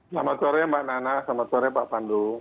selamat sore mbak nana selamat sore pak pandu